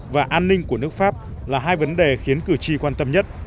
và an ninh của nước pháp là hai vấn đề khiến cử tri quan tâm nhất